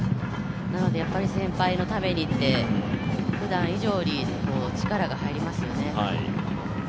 なので先輩のためにって、ふだん以上に力が入りますよね。